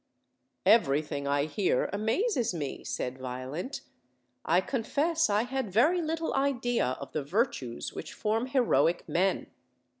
"Everything I hear amazes me," said Violent; "I con fess I had very little idea of the virtues which form heroic men.